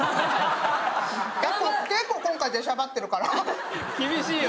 結構今回出しゃばってるから。